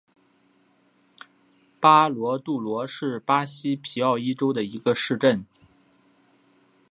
巴罗杜罗是巴西皮奥伊州的一个市镇。